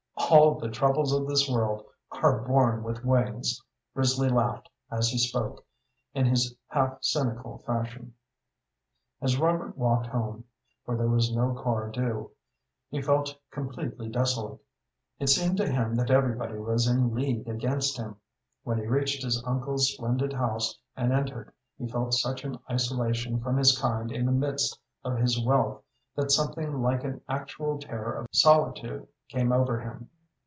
"All the troubles of this world are born with wings." Risley laughed, as he spoke, in his half cynical fashion. As Robert walked home for there was no car due he felt completely desolate. It seemed to him that everybody was in league against him. When he reached his uncle's splendid house and entered, he felt such an isolation from his kind in the midst of his wealth that something like an actual terror of solitude came over him.